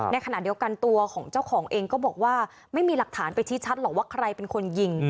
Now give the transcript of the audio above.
ในขณะเดียวกันตัวของเจ้าของเองก็บอกว่าไม่มีหลักฐานไปชี้ชัดหรอกว่าใครเป็นคนยิง